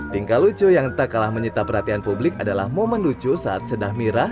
tingkah lucu yang tak kalah menyita perhatian publik adalah momen lucu saat sedah mirah